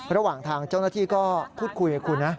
ระหว่างทางเจ้าหน้าที่ก็พูดคุยกับคุณนะ